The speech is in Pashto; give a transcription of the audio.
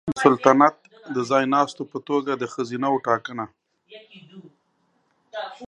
د سلطنت د ځایناستو په توګه د ښځینه وو ټاکنه